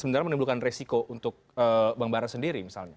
sebenarnya menimbulkan resiko untuk bang bara sendiri misalnya